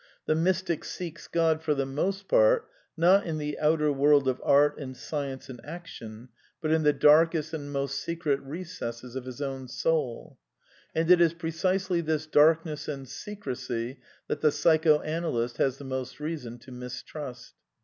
The mystic seeks God, for the most part, not in the outer world of art and science and action, but in the darkest and mosi^ H secret recesses of his own soul. And it is precisely this darkness and secrecy that the psychoanalyst has the most reason to mistrust.